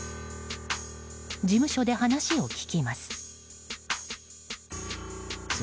事務所で話を聞きます。